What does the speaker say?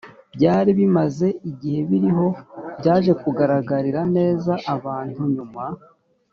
byari bimaze igihe biriho byaje kugaragarira neza abantu nyuma